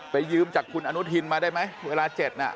ยืมจากคุณอนุทินมาได้ไหมเวลา๗น่ะ